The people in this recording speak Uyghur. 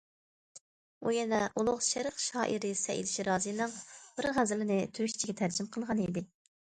ئۇ يەنە ئۇلۇغ شەرق شائىرى سەئىد شىرازىنىڭ بىر غەزىلىنى تۈركچىگە تەرجىمە قىلغان ئىدى.